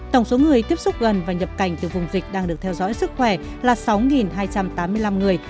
tổng số người tiếp xúc gần và nhập cảnh từ vùng dịch đang được theo dõi sức khỏe là sáu hai trăm tám mươi năm người